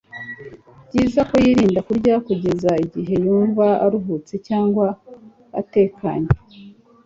byiza ko yirinda kurya kugeza igihe yumva aruhutse cyangwa atekanye